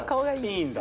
いいんだ。